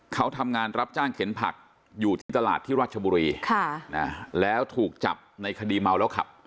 เขาทำงานรับจ้างเข็นผักอยู่ที่ตลาดที่ราชบุรีแล้วถูกจับในคดีเมาแล้วขับ